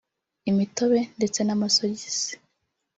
imitobe ndetse n’amasogisi